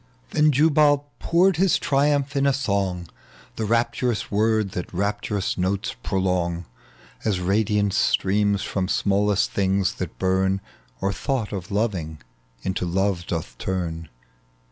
Then Jubal poured his triumph in a song — The rapturous word that rapturous notes prolong As radiance streams tVom smallest things that bum, Or thought of loving into love doth turn.